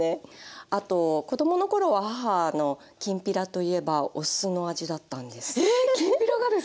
あと子供の頃は母のきんぴらといえばお酢の味だったんです。